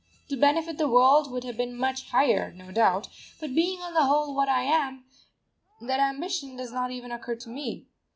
To benefit the world would have been much higher, no doubt; but being on the whole what I am, that ambition does not even occur to me.